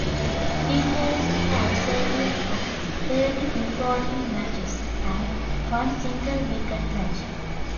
Details have survived of thirty important matches and one single wicket match.